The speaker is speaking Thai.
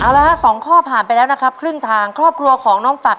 เอาละฮะสองข้อผ่านไปแล้วนะครับครึ่งทางครอบครัวของน้องฝัก